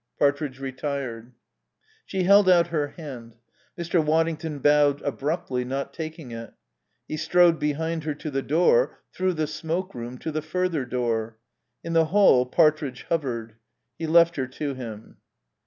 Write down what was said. Partridge retired. She held out her hand. Mr. Waddington bowed abruptly, not taking it. He strode behind her to the door, through the smoke room, to the further door. In the hall Partridge hovered. He left her to him.